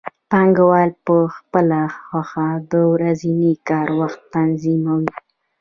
پانګوال په خپله خوښه د ورځني کار وخت تنظیموي